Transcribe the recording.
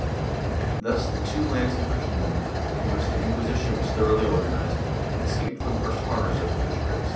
^ Thus the two lands in Christendom, in which the Inquisition was thoroughly organized, escaped the worst horrors of the witch craze.